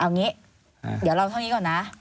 เอางี้เดี๋ยวเราเท่านี้ก่อนนะ